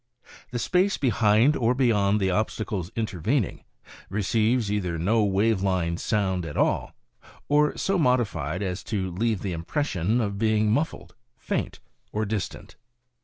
The space behind or beyond the obstacles intervening receives either no wave line sound at all, or so modified as to leave the impression of being muffled, faint, or distant.